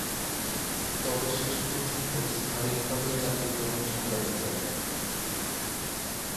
তবে শেষ পর্যন্ত স্থায়ীভাবে চাকরি করেন ঢাকা বেতারে।